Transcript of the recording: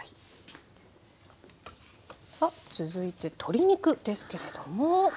さあ続いて鶏肉ですけれどもこちらは？